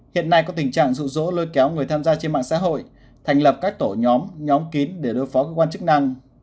hiện nay có tình trạng rụ rỗ lôi kéo người tham gia trên mạng xã hội thành lập các tổ nhóm nhóm kín để đối phó cơ quan chức năng